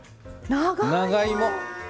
長芋。